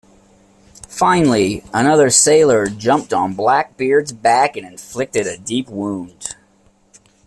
Finally, another sailor jumped on Blackbeard's back and inflicted a deep wound.